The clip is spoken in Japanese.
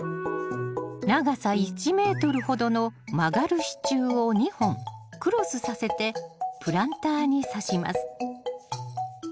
長さ１ｍほどの曲がる支柱を２本クロスさせてプランターにさします。